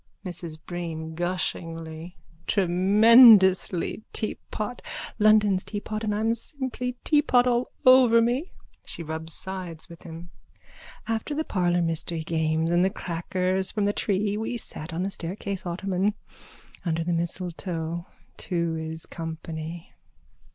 MRS BREEN: (Gushingly.) Tremendously teapot! London's teapot and I'm simply teapot all over me! (She rubs sides with him.) After the parlour mystery games and the crackers from the tree we sat on the staircase ottoman. Under the mistletoe. Two is company.